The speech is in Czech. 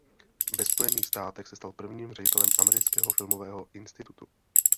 Ve Spojených státech se stal prvním ředitelem Amerického filmového institutu.